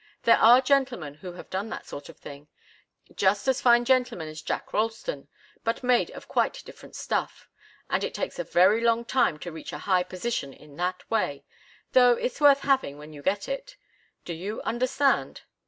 There are gentlemen who have done that sort of thing just as fine gentlemen as Jack Ralston, but made of quite different stuff. And it takes a very long time to reach a high position in that way, though it's worth having when you get it. Do you understand?"